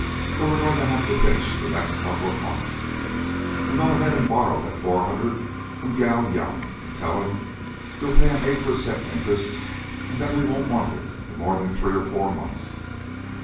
Though we're goin' to have to pinch the next couple of months. An' go ahead an' borrow that four hundred from Gow Yum. An' tell him you'll pay eight per cent. interest, an' that we won't want it more 'n three or four months."